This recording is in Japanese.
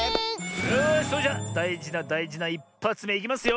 よしそれじゃだいじなだいじな１ぱつめいきますよ。